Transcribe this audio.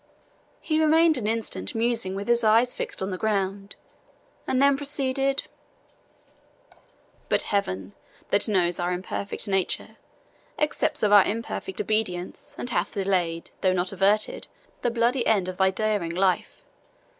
He remained an instant musing with his eyes fixed on the ground, and then proceeded "But Heaven, that knows our imperfect nature, accepts of our imperfect obedience, and hath delayed, though not averted, the bloody end of thy daring life.